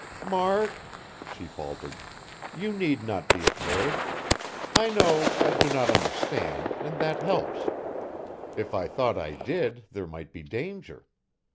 "Mark," she faltered, "you need not be afraid. I know I do not understand, and that helps. If I thought I did, there might be danger.